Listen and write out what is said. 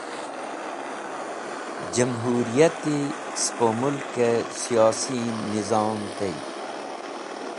Jamhuriyat e spo mulke siyosi nizom tey.